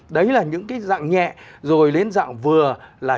đấy là những cái dạng nhẹ rồi đến dạng vừa là